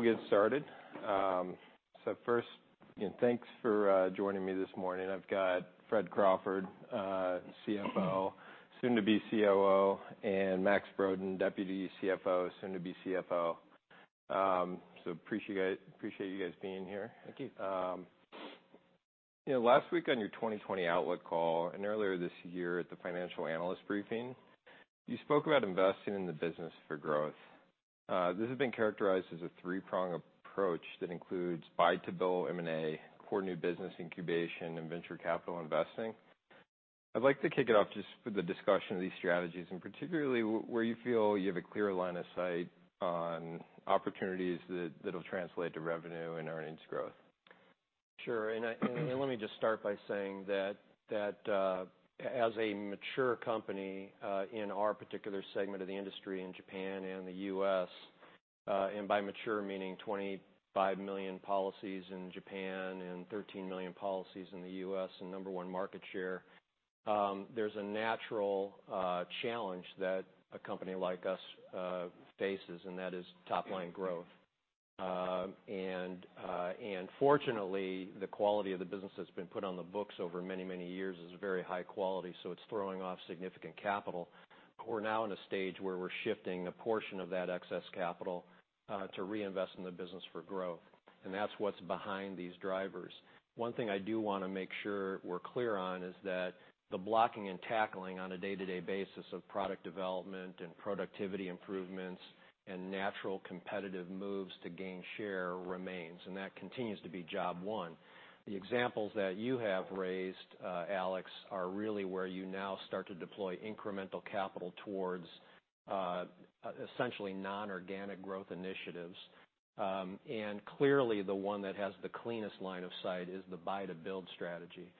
We'll get started. First, thanks for joining me this morning. I've got Fred Crawford, CFO, soon to be COO, and Max Brodén, Deputy CFO, soon to be CFO. Appreciate you guys being here. Thank you. Last week on your 2020 outlook call, and earlier this year at the financial analyst briefing, you spoke about investing in the business for growth. This has been characterized as a three-pronged approach that includes buy-to-build M&A, core new business incubation, and venture capital investing. I'd like to kick it off just for the discussion of these strategies, and particularly where you feel you have a clear line of sight on opportunities that'll translate to revenue and earnings growth. Sure, let me just start by saying that as a mature company in our particular segment of the industry in Japan and the U.S., and by mature meaning 25 million policies in Japan and 13 million policies in the U.S., and number 1 market share, there's a natural challenge that a company like us faces, and that is top-line growth. Fortunately, the quality of the business that's been put on the books over many, many years is very high quality, so it's throwing off significant capital. We're now in a stage where we're shifting a portion of that excess capital to reinvest in the business for growth, that's what's behind these drivers. One thing I do want to make sure we're clear on is that the blocking and tackling on a day-to-day basis of product development and productivity improvements and natural competitive moves to gain share remains, and that continues to be job one. The examples that you have raised, Alex, are really where you now start to deploy incremental capital towards essentially non-organic growth initiatives. Clearly the one that has the cleanest line of sight is the buy-to-build strategy.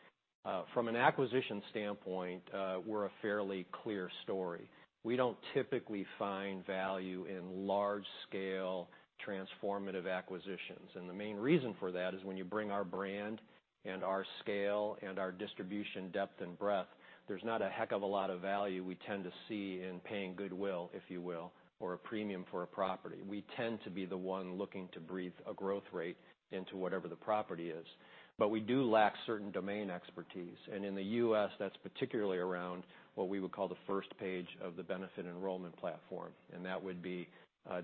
From an acquisition standpoint, we're a fairly clear story. We don't typically find value in large-scale transformative acquisitions. The main reason for that is when you bring our brand and our scale and our distribution depth and breadth, there's not a heck of a lot of value we tend to see in paying goodwill, if you will, or a premium for a property. We tend to be the one looking to breathe a growth rate into whatever the property is. We do lack certain domain expertise, and in the U.S., that's particularly around what we would call the first page of the benefit enrollment platform. That would be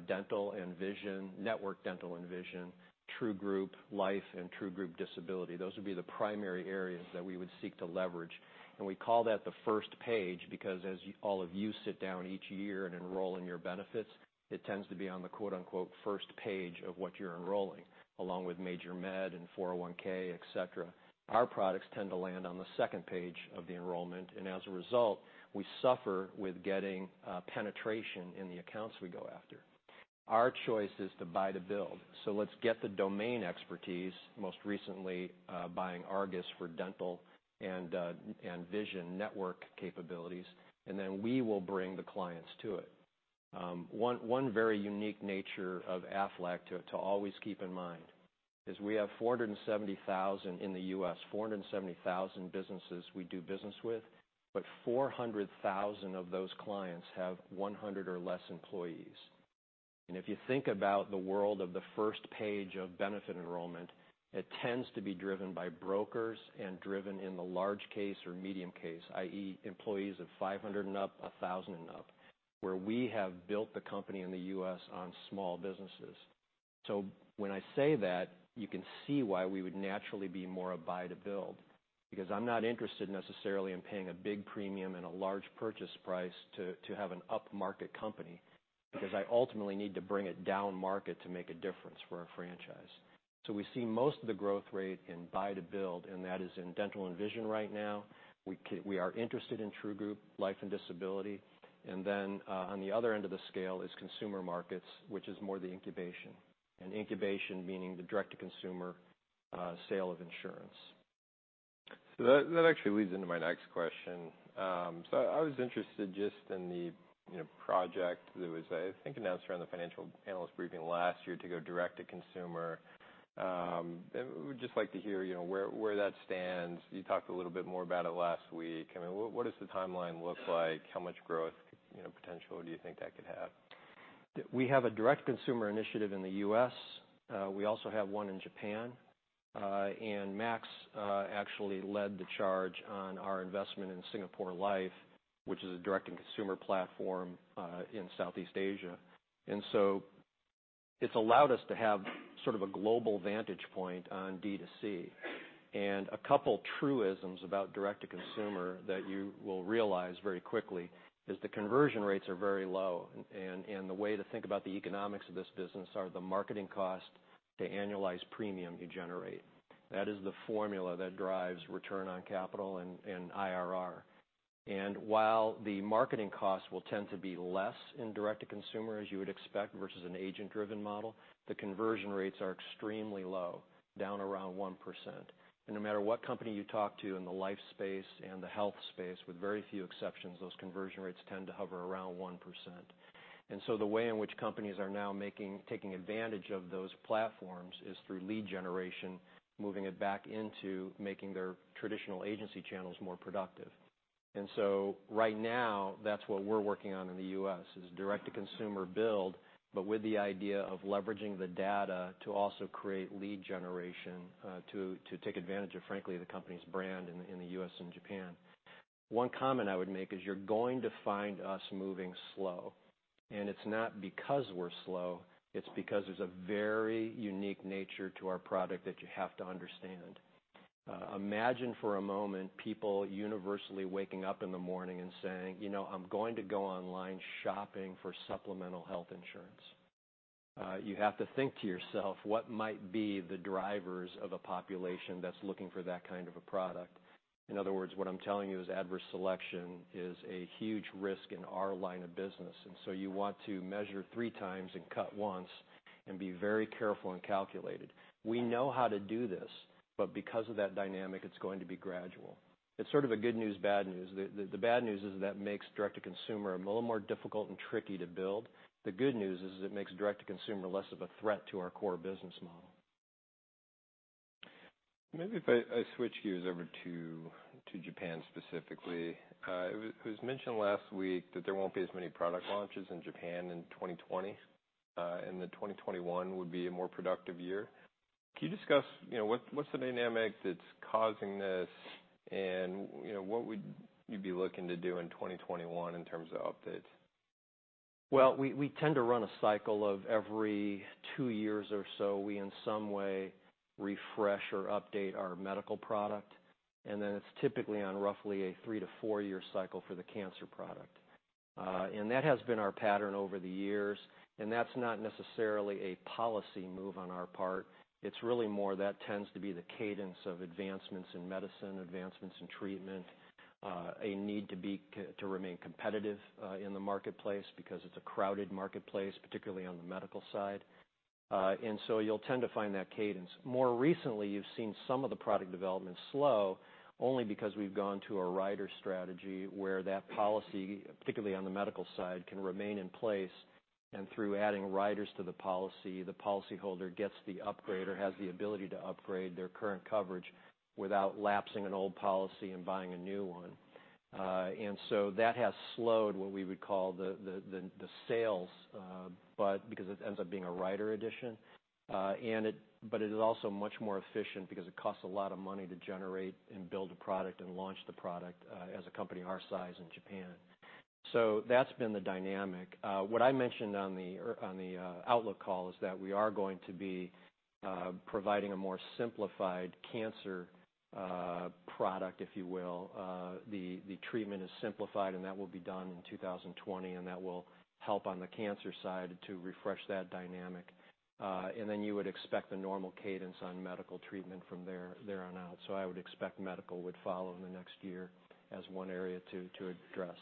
network dental and vision, True Group Life, and True Group Disability. Those would be the primary areas that we would seek to leverage. We call that the first page because as all of you sit down each year and enroll in your benefits, it tends to be on the, quote-unquote, first page of what you're enrolling, along with major med and 401K, et cetera. Our products tend to land on the second page of the enrollment, and as a result, we suffer with getting penetration in the accounts we go after. Our choice is to buy-to-build. Let's get the domain expertise, most recently buying Argus for dental and vision network capabilities, and then we will bring the clients to it. One very unique nature of Aflac to always keep in mind is we have, in the U.S., 470,000 businesses we do business with, but 400,000 of those clients have 100 or less employees. If you think about the world of the first page of benefit enrollment, it tends to be driven by brokers and driven in the large case or medium case, i.e., employees of 500 and up, 1,000 and up, where we have built the company in the U.S. on small businesses. When I say that, you can see why we would naturally be more a buy-to-build, because I'm not interested necessarily in paying a big premium and a large purchase price to have an upmarket company, because I ultimately need to bring it down market to make a difference for our franchise. We see most of the growth rate in buy-to-build, and that is in dental and vision right now. We are interested in True Group Life and Disability. Then on the other end of the scale is consumer markets, which is more the incubation. Incubation meaning the direct-to-consumer sale of insurance. That actually leads into my next question. I was interested just in the project that was, I think, announced around the financial analyst briefing last year to go direct-to-consumer. We'd just like to hear where that stands. You talked a little bit more about it last week. What does the timeline look like? How much growth potential do you think that could have? We have a direct-to-consumer initiative in the U.S. We also have one in Japan. Max actually led the charge on our investment in Singapore Life, which is a direct-to-consumer platform in Southeast Asia. It's allowed us to have sort of a global vantage point on D2C. A couple truisms about direct-to-consumer that you will realize very quickly is the conversion rates are very low, and the way to think about the economics of this business are the marketing cost to annualized premium you generate. That is the formula that drives return on capital and IRR. While the marketing cost will tend to be less in direct-to-consumer, as you would expect versus an agent-driven model, the conversion rates are extremely low, down around 1%. No matter what company you talk to in the life space and the health space, with very few exceptions, those conversion rates tend to hover around 1%. The way in which companies are now taking advantage of those platforms is through lead generation, moving it back into making their traditional agency channels more productive. Right now, that's what we're working on in the U.S. is direct-to-consumer build, but with the idea of leveraging the data to also create lead generation to take advantage of, frankly, the company's brand in the U.S. and Japan. One comment I would make is you're going to find us moving slow. It's not because we're slow, it's because there's a very unique nature to our product that you have to understand. Imagine for a moment, people universally waking up in the morning and saying, "I'm going to go online shopping for supplemental health insurance." You have to think to yourself, what might be the drivers of a population that's looking for that kind of a product? In other words, what I'm telling you is adverse selection is a huge risk in our line of business. You want to measure three times and cut once and be very careful and calculated. We know how to do this, but because of that dynamic, it's going to be gradual. It's sort of a good news, bad news. The bad news is that makes direct-to-consumer a little more difficult and tricky to build. The good news is it makes direct-to-consumer less of a threat to our core business model. Maybe if I switch gears over to Japan specifically. It was mentioned last week that there won't be as many product launches in Japan in 2020, and that 2021 would be a more productive year. Can you discuss what's the dynamic that's causing this, and what would you be looking to do in 2021 in terms of updates? Well, we tend to run a cycle of every two years or so, we in some way refresh or update our medical product. It's typically on roughly a three- to four-year cycle for the cancer product. That has been our pattern over the years, and that's not necessarily a policy move on our part. It's really more that tends to be the cadence of advancements in medicine, advancements in treatment, a need to remain competitive in the marketplace because it's a crowded marketplace, particularly on the medical side. You'll tend to find that cadence. More recently, you've seen some of the product development slow only because we've gone to a rider strategy where that policy, particularly on the medical side, can remain in place, and through adding riders to the policy, the policyholder gets the upgrade or has the ability to upgrade their current coverage without lapsing an old policy and buying a new one. That has slowed what we would call the sales, because it ends up being a rider addition. It is also much more efficient because it costs a lot of money to generate and build a product and launch the product as a company our size in Japan. That's been the dynamic. What I mentioned on the outlook call is that we are going to be providing a more simplified cancer product, if you will. The treatment is simplified, that will be done in 2020, and that will help on the cancer side to refresh that dynamic. You would expect the normal cadence on medical treatment from there on out. I would expect medical would follow in the next year as one area to address.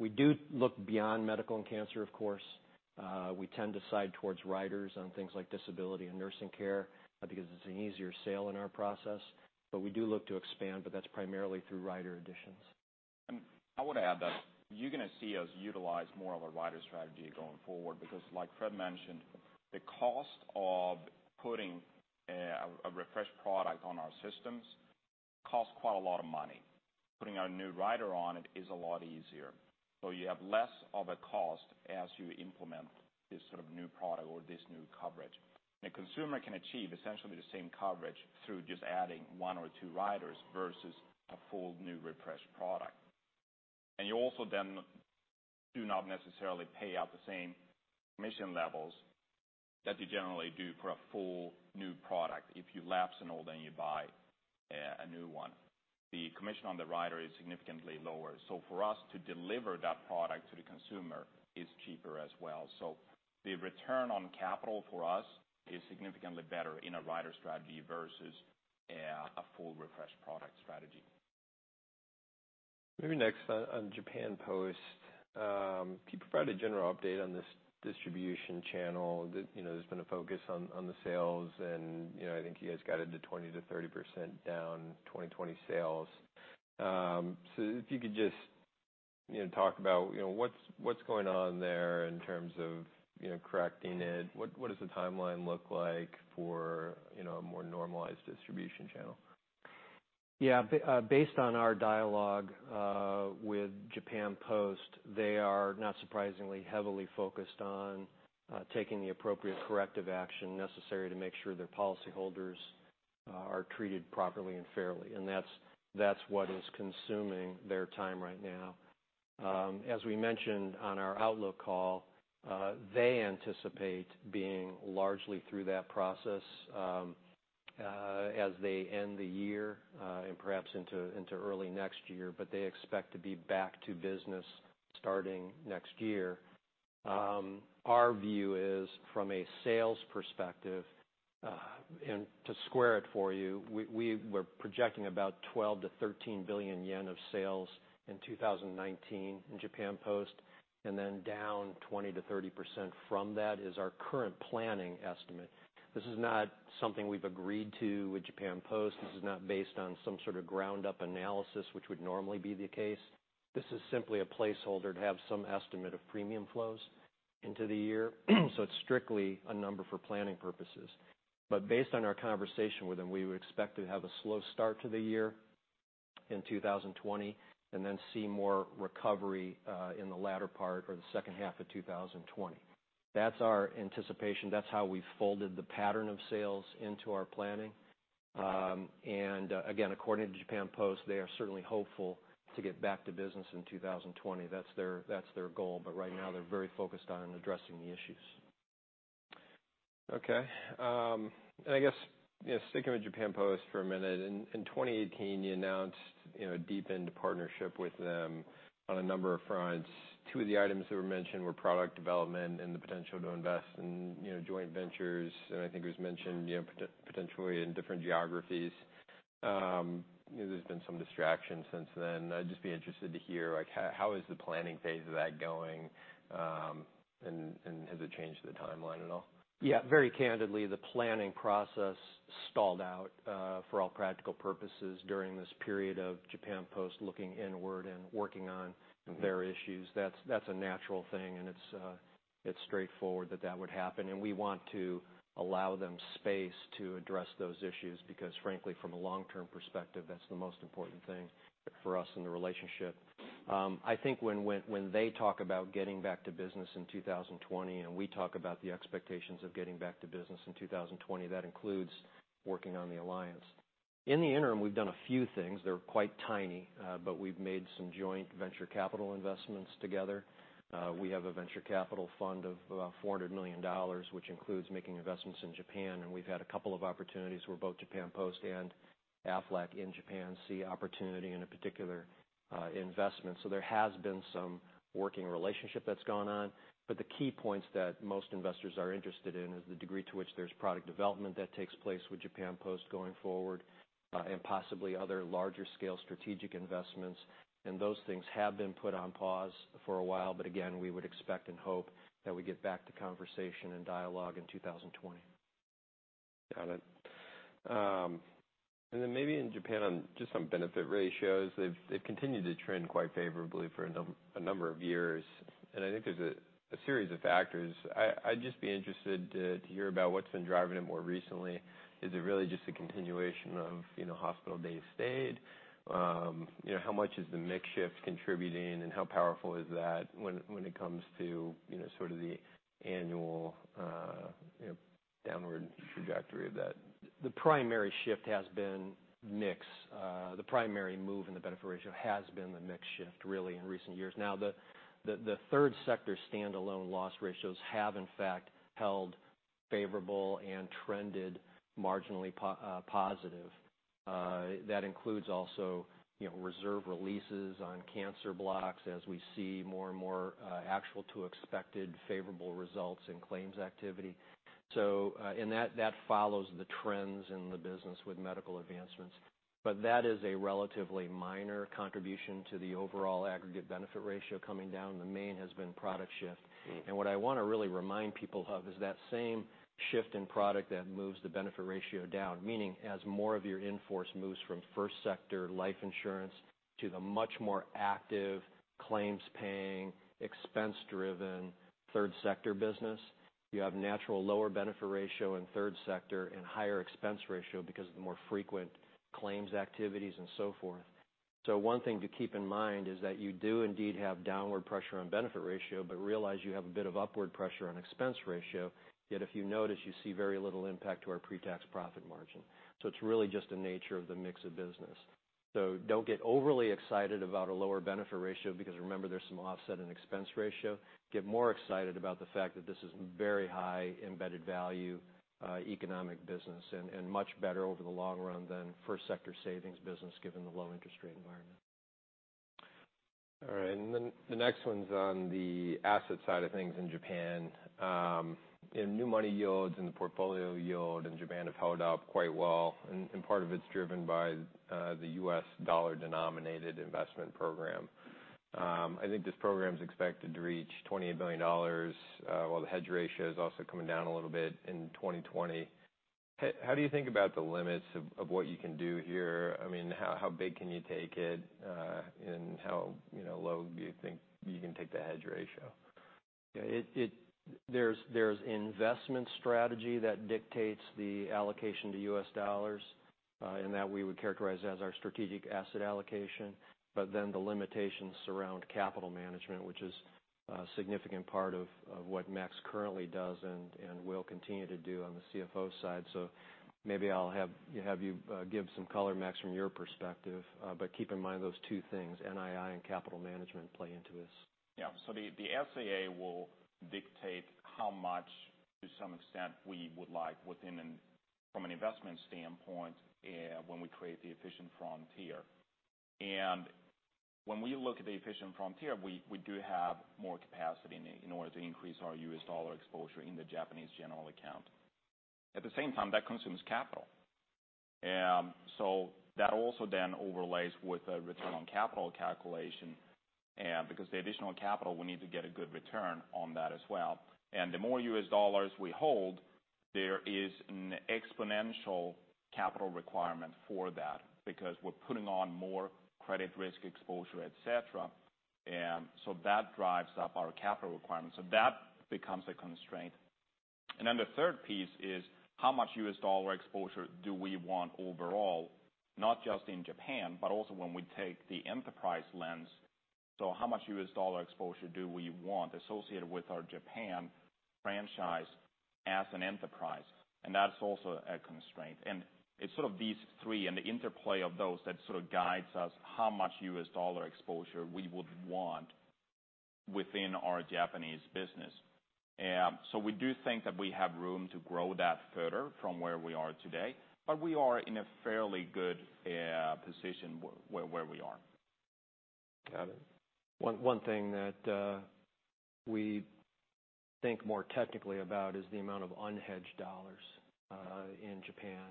We do look beyond medical and cancer, of course. We tend to side towards riders on things like disability and nursing care because it's an easier sale in our process. We do look to expand, but that's primarily through rider additions. I want to add that you're going to see us utilize more of a rider strategy going forward because, like Fred mentioned, the cost of putting a refreshed product on our systems costs quite a lot of money. Putting a new rider on it is a lot easier. You have less of a cost as you implement this sort of new product or this new coverage. A consumer can achieve essentially the same coverage through just adding one or two riders versus a full new refreshed product. You also then do not necessarily pay out the same commission levels that you generally do for a full new product if you lapse an old and you buy a new one. The commission on the rider is significantly lower. For us to deliver that product to the consumer is cheaper as well. The return on capital for us is significantly better in a rider strategy versus a full refreshed product strategy. Maybe next on Japan Post. Can you provide a general update on this distribution channel? There's been a focus on the sales, and I think you guys guided to 20%-30% down 2020 sales. If you could just talk about what's going on there in terms of correcting it. What does the timeline look like for a more normalized distribution channel? Based on our dialogue with Japan Post, they are, not surprisingly, heavily focused on taking the appropriate corrective action necessary to make sure their policyholders are treated properly and fairly. That's what is consuming their time right now. As we mentioned on our outlook call, they anticipate being largely through that process as they end the year and perhaps into early next year, they expect to be back to business starting next year. Our view is from a sales perspective, and to square it for you, we're projecting about 12 billion-13 billion yen of sales in 2019 in Japan Post, down 20%-30% from that is our current planning estimate. This is not something we've agreed to with Japan Post. This is not based on some sort of ground-up analysis, which would normally be the case. This is simply a placeholder to have some estimate of premium flows into the year. It's strictly a number for planning purposes. Based on our conversation with them, we would expect to have a slow start to the year in 2020, then see more recovery in the latter part or the second half of 2020. That's our anticipation. That's how we folded the pattern of sales into our planning. Again, according to Japan Post, they are certainly hopeful to get back to business in 2020. That's their goal, but right now they're very focused on addressing the issues. Okay. I guess, sticking with Japan Post for a minute, in 2018, you announced a deepened partnership with them on a number of fronts. Two of the items that were mentioned were product development and the potential to invest in joint ventures, and I think it was mentioned, potentially in different geographies. There's been some distraction since then. I'd just be interested to hear, how is the planning phase of that going, and has it changed the timeline at all? Yeah. Very candidly, the planning process stalled out for all practical purposes during this period of Japan Post looking inward and working on their issues. That's a natural thing, and it's straightforward that that would happen, and we want to allow them space to address those issues because frankly, from a long-term perspective, that's the most important thing for us in the relationship. I think when they talk about getting back to business in 2020, and we talk about the expectations of getting back to business in 2020, that includes working on the alliance. In the interim, we've done a few things. They're quite tiny, but we've made some joint venture capital investments together. We have a venture capital fund of about JPY 400 million, which includes making investments in Japan, and we've had a couple of opportunities where both Japan Post and Aflac in Japan see opportunity in a particular investment. There has been some working relationship that's gone on, but the key points that most investors are interested in is the degree to which there's product development that takes place with Japan Post going forward, and possibly other larger scale strategic investments. Those things have been put on pause for a while, but again, we would expect and hope that we get back to conversation and dialogue in 2020. Got it. Maybe in Japan, on just some benefit ratios, they've continued to trend quite favorably for a number of years, and I think there's a series of factors. I'd just be interested to hear about what's been driving it more recently. Is it really just a continuation of hospital day stayed? How much is the mix shift contributing, and how powerful is that when it comes to sort of the annual downward trajectory of that? The primary shift has been mix. The primary move in the benefit ratio has been the mix shift really in recent years. The third sector standalone loss ratios have in fact held favorable and trended marginally positive. That includes also reserve releases on cancer blocks as we see more and more actual to expected favorable results in claims activity. That follows the trends in the business with medical advancements. That is a relatively minor contribution to the overall aggregate benefit ratio coming down. The main has been product shift. What I want to really remind people of is that same shift in product that moves the benefit ratio down, meaning as more of your in-force moves from first sector life insurance to the much more active claims paying, expense driven third sector business, you have natural lower benefit ratio in third sector and higher expense ratio because of the more frequent claims activities and so forth. One thing to keep in mind is that you do indeed have downward pressure on benefit ratio, but realize you have a bit of upward pressure on expense ratio. If you notice, you see very little impact to our pre-tax profit margin. It's really just the nature of the mix of business. Don't get overly excited about a lower benefit ratio because remember there's some offset in expense ratio. Get more excited about the fact that this is very high embedded value economic business and much better over the long run than first sector savings business given the low interest rate environment. All right. The next one's on the asset side of things in Japan. New money yields and the portfolio yield in Japan have held up quite well, and part of it's driven by the U.S. dollar denominated investment program. I think this program's expected to reach $28 billion, while the hedge ratio is also coming down a little bit in 2020. How do you think about the limits of what you can do here? How big can you take it, and how low do you think you can take the hedge ratio? There's investment strategy that dictates the allocation to U.S. dollars, and that we would characterize as our strategic asset allocation. The limitations around capital management, which is a significant part of what Max currently does and will continue to do on the CFO side. Maybe I'll have you give some color, Max, from your perspective, but keep in mind those two things, NII and capital management play into this. Yeah. The SAA will dictate how much, to some extent, we would like from an investment standpoint when we create the efficient frontier. When we look at the efficient frontier, we do have more capacity in order to increase our U.S. dollar exposure in the Japanese general account. At the same time, that consumes capital. That also then overlays with a return on capital calculation because the additional capital will need to get a good return on that as well. The more U.S. dollars we hold There is an exponential capital requirement for that because we're putting on more credit risk exposure, et cetera. That drives up our capital requirements, so that becomes a constraint. The third piece is how much U.S. dollar exposure do we want overall, not just in Japan, but also when we take the enterprise lens. How much U.S. dollar exposure do we want associated with our Japan franchise as an enterprise? That's also a constraint. It's sort of these three and the interplay of those that sort of guides us how much U.S. dollar exposure we would want within our Japanese business. We do think that we have room to grow that further from where we are today, but we are in a fairly good position where we are. Got it. One thing that we think more technically about is the amount of unhedged dollars in Japan.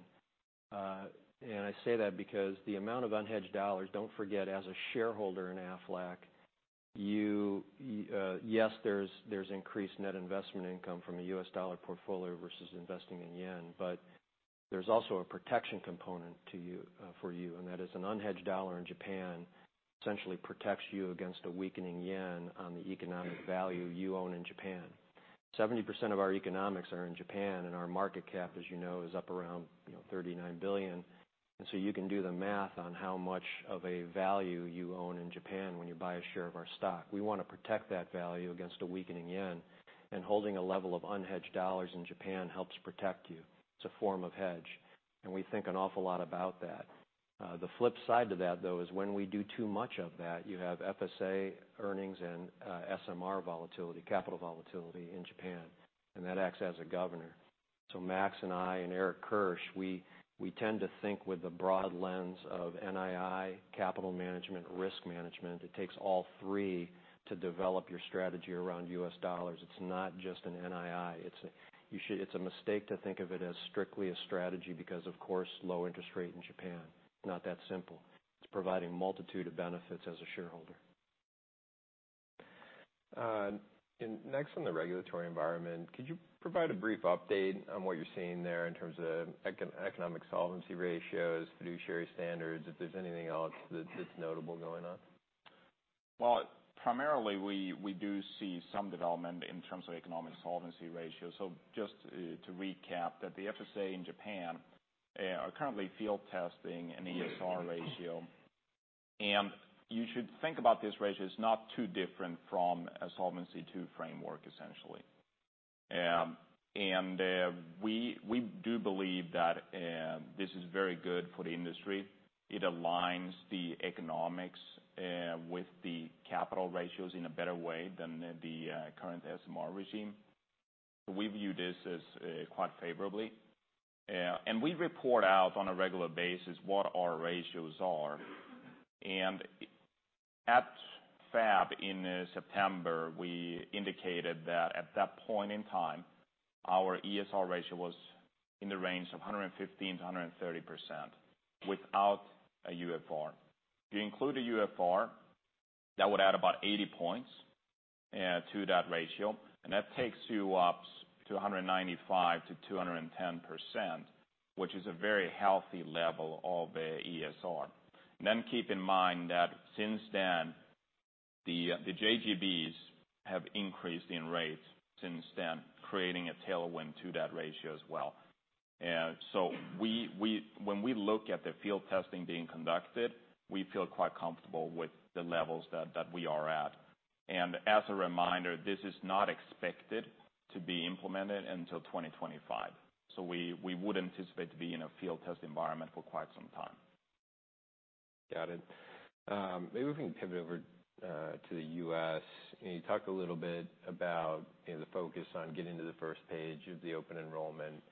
I say that because the amount of unhedged dollars, don't forget, as a shareholder in Aflac, yes, there's increased net investment income from a U.S. dollar portfolio versus investing in yen, but there's also a protection component for you, and that is an unhedged dollar in Japan essentially protects you against a weakening yen on the economic value you own in Japan. 70% of our economics are in Japan, and our market cap, as you know, is up around $39 billion. You can do the math on how much of a value you own in Japan when you buy a share of our stock. We want to protect that value against a weakening yen, and holding a level of unhedged dollars in Japan helps protect you. It's a form of hedge, and we think an awful lot about that. The flip side to that, though, is when we do too much of that, you have FSA earnings and SMR volatility, capital volatility in Japan, and that acts as a governor. Max and I and Eric Kirsch, we tend to think with the broad lens of NII, capital management, risk management. It takes all three to develop your strategy around U.S. dollars. It's not just an NII. It's a mistake to think of it as strictly a strategy because, of course, low interest rate in Japan. It's not that simple. It's providing multitude of benefits as a shareholder. Next on the regulatory environment, could you provide a brief update on what you're seeing there in terms of economic solvency ratios, fiduciary standards, if there's anything else that's notable going on? Well, primarily, we do see some development in terms of economic solvency ratio. Just to recap that the FSA in Japan are currently field testing an ESR ratio. You should think about this ratio as not too different from a Solvency II framework, essentially. We do believe that this is very good for the industry. It aligns the economics with the capital ratios in a better way than the current SMR regime. We view this as quite favorably. We report out on a regular basis what our ratios are. At FAB in September, we indicated that at that point in time, our ESR ratio was in the range of 115%-130% without a UFR. If you include a UFR, that would add about 80 points to that ratio, that takes you up to 195%-210%, which is a very healthy level of ESR. Keep in mind that since then, the JGBs have increased in rates since then, creating a tailwind to that ratio as well. When we look at the field testing being conducted, we feel quite comfortable with the levels that we are at. As a reminder, this is not expected to be implemented until 2025. We would anticipate to be in a field test environment for quite some time. Got it. Maybe we can pivot over to the U.S. You talked a little bit about the focus on getting to the first page of the open enrollment.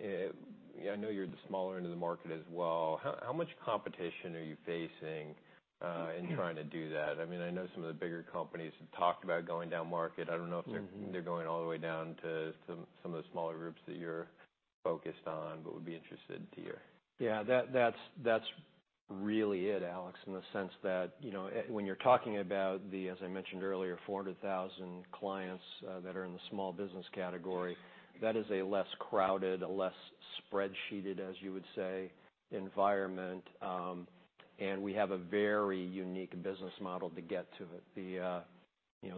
I know you're at the smaller end of the market as well. How much competition are you facing in trying to do that? I know some of the bigger companies have talked about going down market. I don't know if they're going all the way down to some of the smaller groups that you're focused on, would be interested to hear. Yeah, that's really it, Alex, in the sense that when you're talking about the, as I mentioned earlier, 400,000 clients that are in the small business category, that is a less crowded, a less spreadsheeted, as you would say, environment. We have a very unique business model to get to it.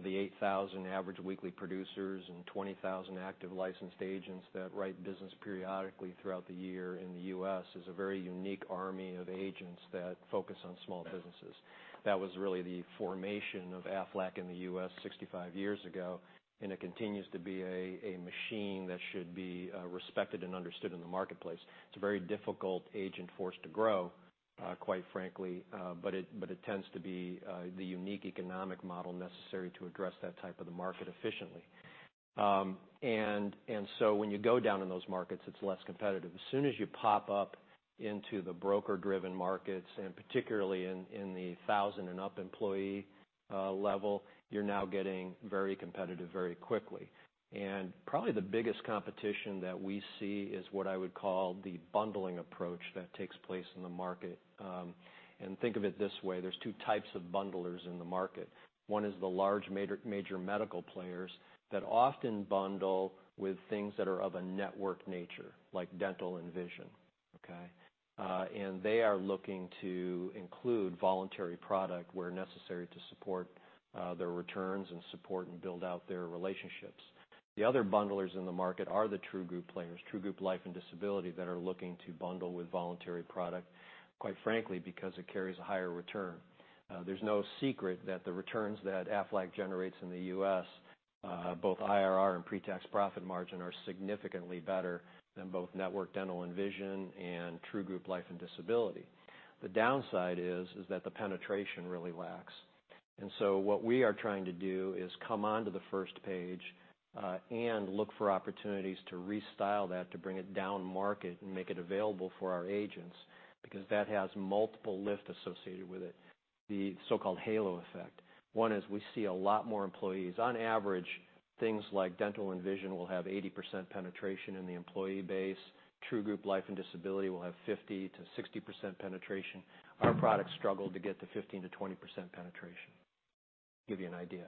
The 8,000 average weekly producers and 20,000 active licensed agents that write business periodically throughout the year in the U.S. is a very unique army of agents that focus on small businesses. That was really the formation of Aflac in the U.S. 65 years ago, it continues to be a machine that should be respected and understood in the marketplace. It's a very difficult agent force to grow, quite frankly, it tends to be the unique economic model necessary to address that type of the market efficiently. When you go down in those markets, it's less competitive. As soon as you pop up into the broker-driven markets, particularly in the 1,000 and up employee level, you're now getting very competitive very quickly. Probably the biggest competition that we see is what I would call the bundling approach that takes place in the market. Think of it this way, there's 2 types of bundlers in the market. One is the large major medical players that often bundle with things that are of a network nature, like dental and vision. Okay. They are looking to include voluntary product where necessary to support their returns and support and build out their relationships. The other bundlers in the market are the true group players, True Group Life and Disability that are looking to bundle with voluntary product, quite frankly, because it carries a higher return. There's no secret that the returns that Aflac generates in the U.S., both IRR and pre-tax profit margin, are significantly better than both network dental and vision and true group life and disability. The downside is that the penetration really lacks. What we are trying to do is come onto the first page and look for opportunities to restyle that, to bring it down market and make it available for our agents, because that has multiple lift associated with it, the so-called halo effect. One is we see a lot more employees. On average, things like dental and vision will have 80% penetration in the employee base. True group life and disability will have 50%-60% penetration. Our products struggle to get to 15%-20% penetration. Give you an idea.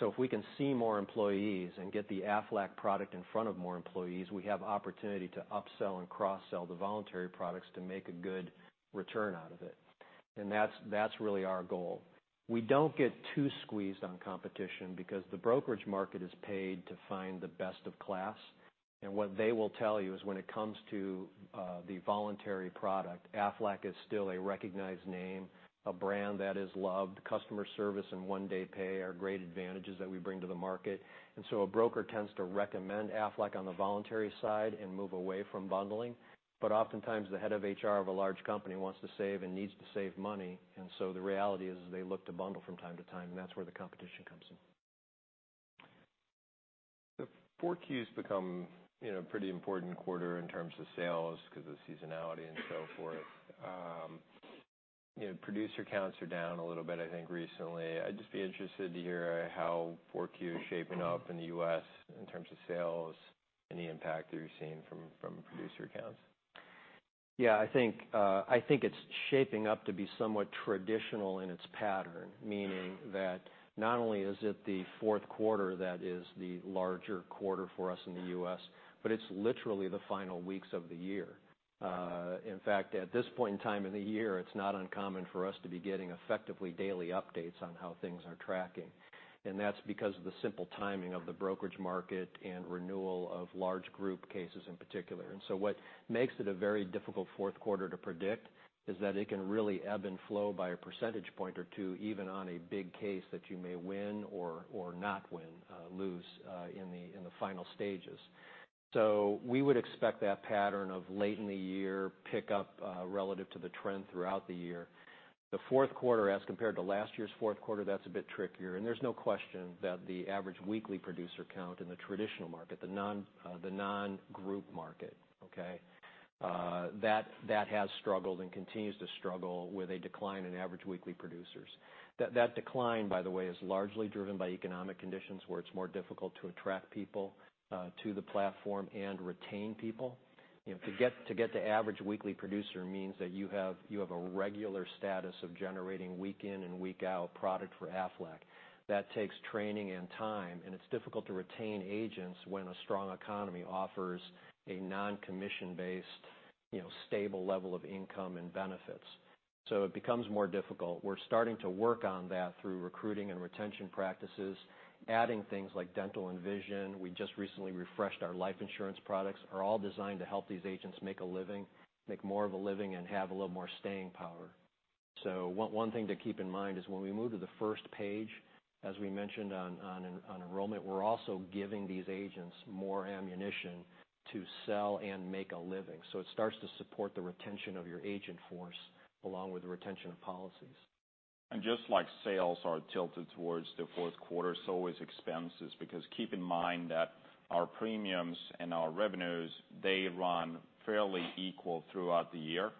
If we can see more employees and get the Aflac product in front of more employees, we have opportunity to upsell and cross-sell the voluntary products to make a good return out of it. That's really our goal. We don't get too squeezed on competition because the brokerage market is paid to find the best of class. What they will tell you is when it comes to the voluntary product, Aflac is still a recognized name, a brand that is loved. Customer service and One Day Pay are great advantages that we bring to the market. A broker tends to recommend Aflac on the voluntary side and move away from bundling. Oftentimes, the head of HR of a large company wants to save and needs to save money, the reality is they look to bundle from time to time, that's where the competition comes in. The fourth Q's become a pretty important quarter in terms of sales because of seasonality and so forth. Producer counts are down a little bit, I think, recently. I'd just be interested to hear how fourth Q is shaping up in the U.S. in terms of sales and the impact that you're seeing from producer counts. Yeah, I think it's shaping up to be somewhat traditional in its pattern, meaning that not only is it the fourth quarter that is the larger quarter for us in the U.S., but it's literally the final weeks of the year. In fact, at this point in time in the year, it's not uncommon for us to be getting effectively daily updates on how things are tracking. That's because of the simple timing of the brokerage market and renewal of large group cases in particular. What makes it a very difficult fourth quarter to predict is that it can really ebb and flow by a percentage point or two, even on a big case that you may win or not win, lose in the final stages. We would expect that pattern of late in the year pick up relative to the trend throughout the year. The fourth quarter as compared to last year's fourth quarter, that's a bit trickier. There's no question that the average weekly producer count in the traditional market, the non-group market, okay? That has struggled and continues to struggle with a decline in average weekly producers. That decline, by the way, is largely driven by economic conditions where it's more difficult to attract people to the platform and retain people. To get to average weekly producer means that you have a regular status of generating week in and week out product for Aflac. That takes training and time, and it's difficult to retain agents when a strong economy offers a non-commission-based stable level of income and benefits. It becomes more difficult. We're starting to work on that through recruiting and retention practices, adding things like dental and vision. We just recently refreshed our life insurance products, are all designed to help these agents make a living, make more of a living, and have a little more staying power. One thing to keep in mind is when we move to the first page, as we mentioned on enrollment, we're also giving these agents more ammunition to sell and make a living. It starts to support the retention of your agent force along with the retention of policies. Just like sales are tilted towards the fourth quarter, so is expenses, because keep in mind that our premiums and our revenues, they run fairly equal throughout the year,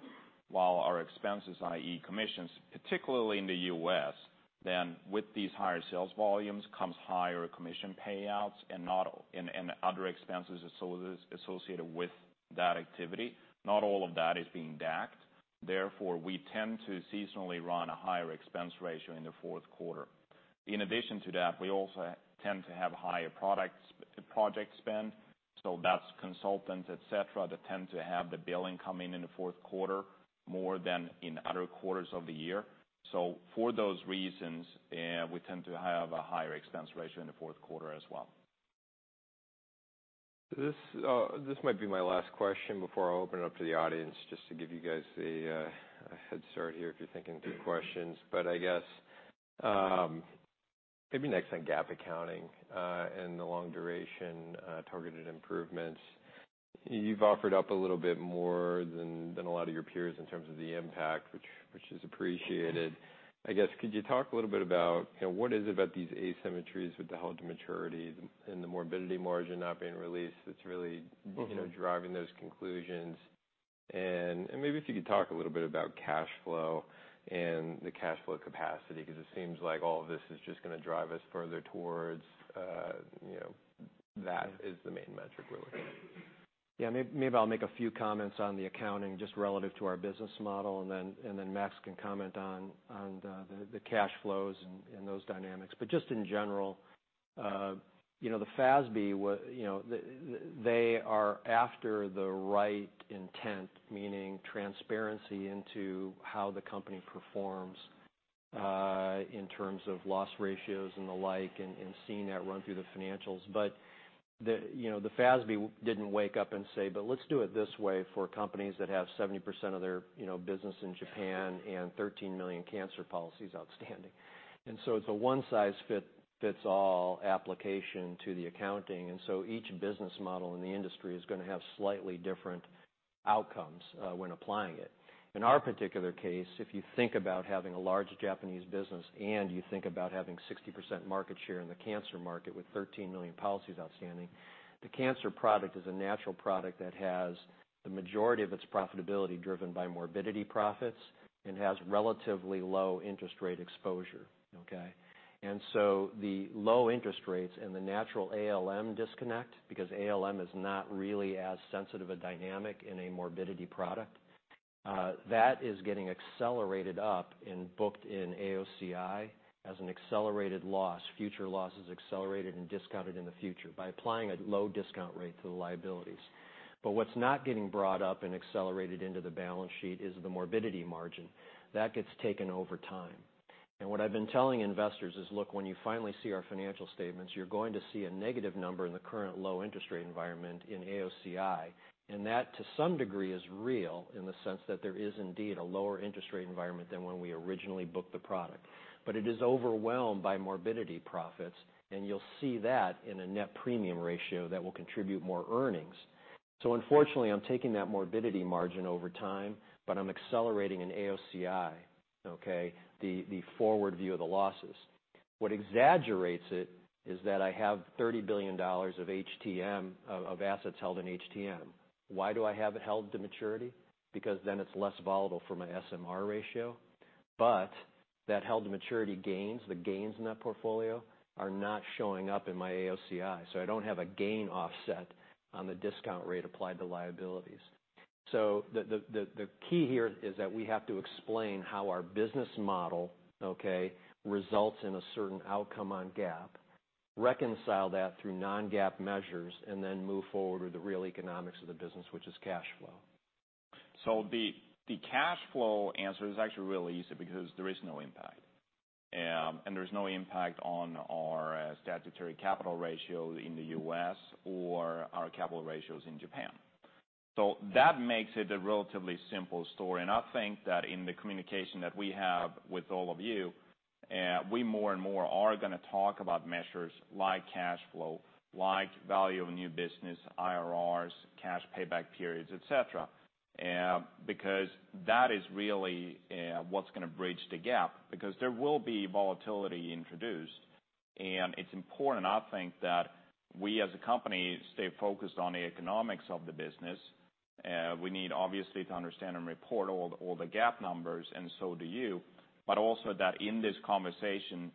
while our expenses, i.e., commissions, particularly in the U.S. With these higher sales volumes comes higher commission payouts and other expenses associated with that activity. Not all of that is being DAC'd. Therefore, we tend to seasonally run a higher expense ratio in the fourth quarter. In addition to that, we also tend to have higher project spend. That's consultants, et cetera, that tend to have the billing come in in the fourth quarter more than in other quarters of the year. For those reasons, we tend to have a higher expense ratio in the fourth quarter as well. This might be my last question before I open it up to the audience, just to give you guys a head start here if you're thinking through questions. I guess, maybe next on GAAP accounting and the Long-Duration Targeted Improvements. You've offered up a little bit more than a lot of your peers in terms of the impact, which is appreciated. I guess, could you talk a little bit about what is it about these asymmetries with the hold-to-maturity and the morbidity margin not being released that's really driving those conclusions? Maybe if you could talk a little bit about cash flow and the cash flow capacity, because it seems like all this is just going to drive us further towards that as the main metric, really. Yeah, maybe I'll make a few comments on the accounting just relative to our business model, then Max can comment on the cash flows and those dynamics. Just in general The FASB, they are after the right intent, meaning transparency into how the company performs in terms of loss ratios and the like, and seeing that run through the financials. The FASB didn't wake up and say, "Let's do it this way for companies that have 70% of their business in Japan and 13 million cancer policies outstanding." It's a one-size-fits-all application to the accounting, each business model in the industry is going to have slightly different outcomes when applying it. In our particular case, if you think about having a large Japanese business and you think about having 60% market share in the cancer market with 13 million policies outstanding, the cancer product is a natural product that has the majority of its profitability driven by morbidity profits and has relatively low interest rate exposure. Okay. The low interest rates and the natural ALM disconnect, because ALM is not really as sensitive a dynamic in a morbidity product, that is getting accelerated up and booked in AOCI as an accelerated loss. Future loss is accelerated and discounted in the future by applying a low discount rate to the liabilities. What's not getting brought up and accelerated into the balance sheet is the morbidity margin. That gets taken over time. What I've been telling investors is, look, when you finally see our financial statements, you're going to see a negative number in the current low interest rate environment in AOCI, that, to some degree, is real in the sense that there is indeed a lower interest rate environment than when we originally booked the product. It is overwhelmed by morbidity profits, you'll see that in a net premium ratio that will contribute more earnings. Unfortunately, I'm taking that morbidity margin over time, I'm accelerating in AOCI, okay, the forward view of the losses. What exaggerates it is that I have JPY 30 billion of assets held in HTM. Why do I have it held to maturity? Because then it's less volatile for my SMR ratio. That held-to-maturity gains, the gains in that portfolio, are not showing up in my AOCI, so I don't have a gain offset on the discount rate applied to liabilities. The key here is that we have to explain how our business model, okay, results in a certain outcome on GAAP, reconcile that through non-GAAP measures, and then move forward with the real economics of the business, which is cash flow. The cash flow answer is actually really easy because there is no impact. There's no impact on our statutory capital ratio in the U.S. or our capital ratios in Japan. That makes it a relatively simple story. I think that in the communication that we have with all of you, we more and more are going to talk about measures like cash flow, like value of new business, IRRs, cash payback periods, et cetera, because that is really what's going to bridge the gap. There will be volatility introduced, and it's important, I think, that we as a company stay focused on the economics of the business. We need obviously to understand and report all the GAAP numbers, and so do you, but also that in this conversation,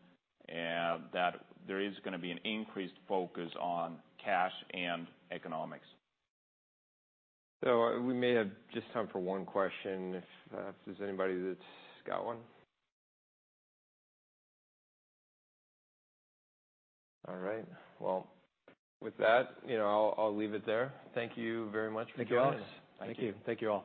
that there is going to be an increased focus on cash and economics. We may have just time for one question if there's anybody that's got one. All right. Well, with that, I'll leave it there. Thank you very much for joining us. Thank you all. Thank you.